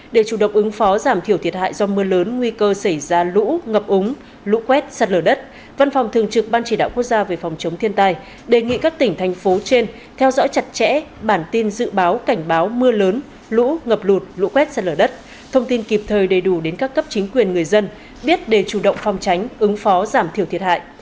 để chủ động ứng phó giảm thiểu thiệt hại do mưa lớn nguy cơ xảy ra lũ ngập ống lũ quét sạt lửa đất văn phòng thường trực ban chỉ đạo quốc gia về phòng chống thiên tai đề nghị các tỉnh thành phố trên theo dõi chặt chẽ bản tin dự báo cảnh báo mưa lớn lũ ngập lụt lũ quét sạt lửa đất thông tin kịp thời đầy đủ đến các cấp chính quyền người dân biết để chủ động phòng tránh ứng phó giảm thiểu thiệt hại